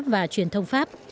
và truyền thông pháp